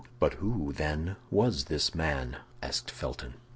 "But who, then, was this man?" asked Felton.